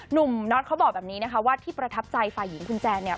น็อตเขาบอกแบบนี้นะคะว่าที่ประทับใจฝ่ายหญิงคุณแจนเนี่ย